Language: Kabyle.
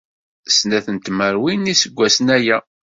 Snat n tmerwin n yiseggasen aya.